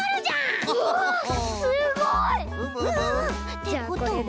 ってことは。